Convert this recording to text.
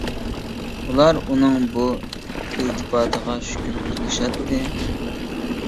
ئۇلار ئۇنىڭ بۇ ئىلتىپاتىغا شۈكرى قىلىشاتتى.